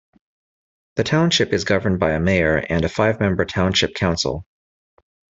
The township is governed by a Mayor and a five-member Township Council.